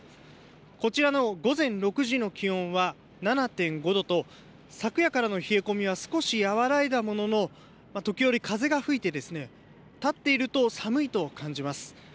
こちらの午前６時の気温は７．５度と、昨夜からの冷え込みは少し和らいだものの、時折風が吹いて、立っていると寒いと感じます。